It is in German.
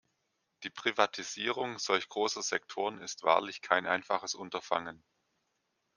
Die Privatisierung solch großer Sektoren ist wahrlich kein einfaches Unterfangen.